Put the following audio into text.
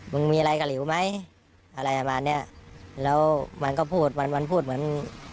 มันมีอะไรกับหลิวไหมอะไรประมาณเนี้ยแล้วมันก็พูดวันวันพูดเหมือน